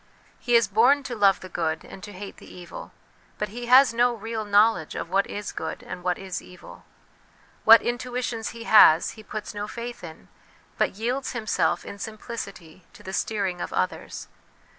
He is born to love the good, and to hate the evil, but he has no real knowledge of what is good and what is evil ; what intuitions he has, he puts no faith in, but yields himself in simplicity to the steer ing of others.